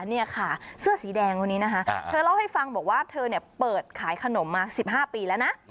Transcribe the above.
นี่ค่ะเสื้อสีแดงคนนี้นะคะเธอเล่าให้ฟังบอกว่าเธอเปิดขายขนมมา๑๕ปีแล้วนะ